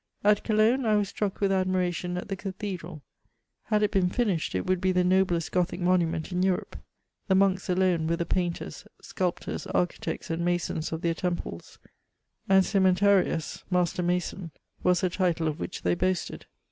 At Cologne, I was struck with admiration at the cathe dral ; had it been finished, it would be the noblest Gothic monument in Europe. The monks alone were the painters, sculptors, architects, and masons of their temples ; and c^emen^ tarius (master mason) was a title of which they boasted.